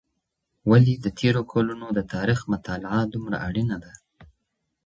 ولې د تېرو کلونو د تاریخ مطالعه دومره اړینه ده؟